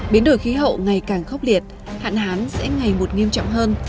biến đổi khí hậu ngày càng khốc liệt hạn hán sẽ ngày một nghiêm trọng hơn